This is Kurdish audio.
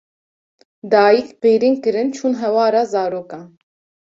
Dayîk qîrîn kirin çûn hewara zarokan